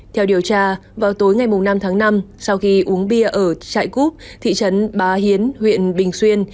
theo điều tra vào tối ngày năm tháng năm sau khi uống bia ở trại cúp thị trấn bá hiến huyện bình xuyên